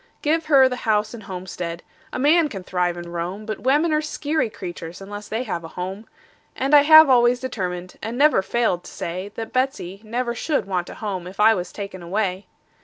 Give her the house and homestead a man can thrive and roam; But women are skeery critters, unless they have a home; And I have always determined, and never failed to say, That Betsey never should want a home if I was taken away.